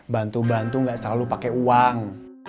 bantu bantu gak selalu pakai uang